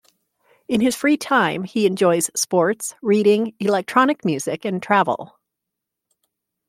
In his free time he enjoys sports, reading, electronic music and travel.